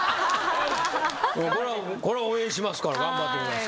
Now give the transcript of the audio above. これは応援しますから頑張ってください。